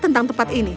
tentang tempat ini